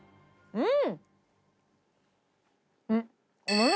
うん！